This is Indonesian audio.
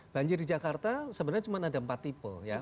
banjir di jakarta sebenarnya cuma ada empat tipe